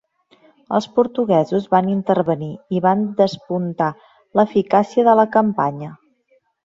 Els portuguesos van intervenir, i van despuntar l'eficàcia de la campanya.